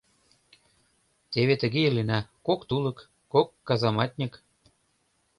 Теве тыге илена, кок тулык, кок казаматньык.